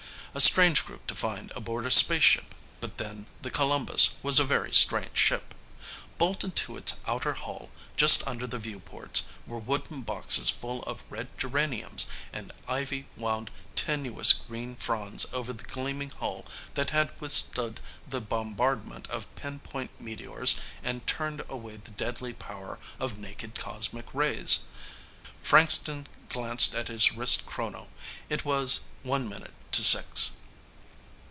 A strange group to find aboard a spaceship, but then The Columbus was a very strange ship. Bolted to its outer hull, just under the viewports, were wooden boxes full of red geraniums, and ivy wound tenuous green fronds over the gleaming hull that had withstood the bombardment of pinpoint meteors and turned away the deadly power of naked cosmic rays. Frankston glanced at his wristchrono. It was one minute to six.